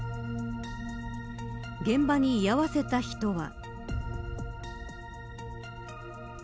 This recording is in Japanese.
現場に居合わせた人は。